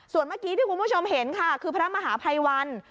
ส่วนเมื่อกี้ที่คุณผู้ชมเห็นค่ะคือพระมหาภัยวัน